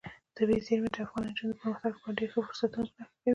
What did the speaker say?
طبیعي زیرمې د افغان نجونو د پرمختګ لپاره ډېر ښه فرصتونه په نښه کوي.